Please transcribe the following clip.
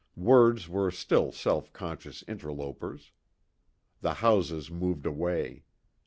Words were still self conscious interlopers. The houses moved away.